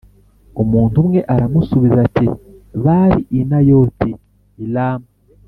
Umuntu umwe aramusubiza ati “Bari i Nayoti i Rama.”